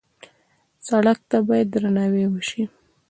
سړک ته باید درناوی وشي.